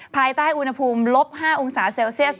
ภายใต้อุณหภูมิลบ๕องศาเซลเซียส